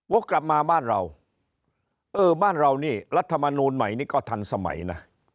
กลับมาบ้านเราเออบ้านเรานี่รัฐมนูลใหม่นี่ก็ทันสมัยนะ